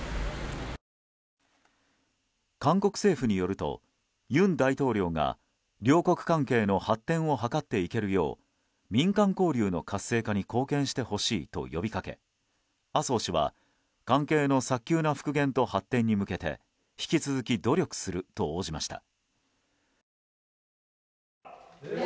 韓国政府によると、尹大統領が両国関係の発展を図っていけるよう民間交流の活性化に貢献してほしいと呼びかけ麻生氏は、関係の早急な復元と発展に向けて引き続き努力すると応じました。